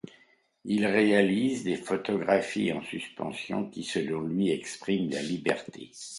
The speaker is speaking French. Il réalise des photographies en suspension, qui selon lui, expriment la liberté.